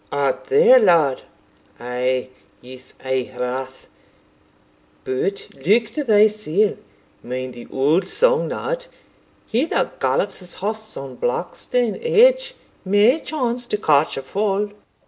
"Art there, lad? ay, youth's aye rathe but look to thysell mind the old song, lad He that gallops his horse on Blackstone edge May chance to catch a fall."